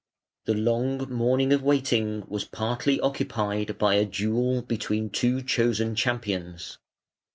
The long morning of waiting was partly occupied by a duel between two chosen champions.